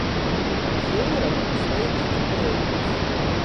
Jiura - zvejnīka teirums.